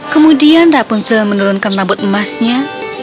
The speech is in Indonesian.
kemudian rapunzel menurunkan rambut emasnya